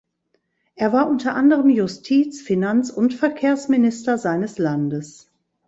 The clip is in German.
Er war unter anderem Justiz-, Finanz- und Verkehrsminister seines Landes.